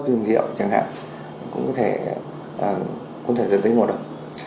đường rượu chẳng hạn cũng có thể dẫn tới ngộ độc